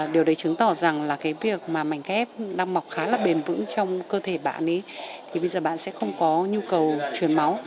điều đấy chứng tỏ rằng việc mảnh ghép đang mọc khá là bền vững trong cơ thể bạn ấy bây giờ bạn sẽ không có nhu cầu chuyển máu